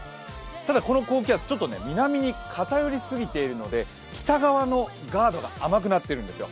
ただ、この高気圧、ちょっと南に偏りすぎているので北側のガードが甘くなっているんですよ。